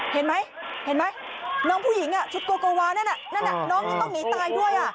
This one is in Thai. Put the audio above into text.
เห็นไหมเห็นไหมน้องผู้หญิงชุดโกโกวานั่นนั่นน้องยังต้องหนีตายด้วย